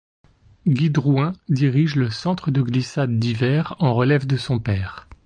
Guy Drouin dirige le Centre de glissades d'hiver en relève de son père.